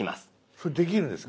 それできるんですね？